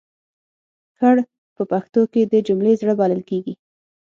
کړ په پښتو کې د جملې زړه بلل کېږي.